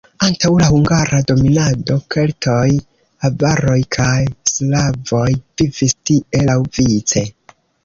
Antaŭ la hungara dominado keltoj, avaroj kaj slavoj vivis tie laŭvice.